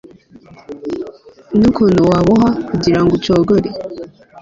n'ukuntu wabohwa kugira ngo ucogore